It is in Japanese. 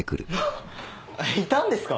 あっいたんですか？